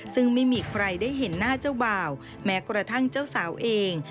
ซึ่งไม่มีใครได้เห็นหน้าเจ้าบ่าวแม้กระทั่งเจ้าสาวเอง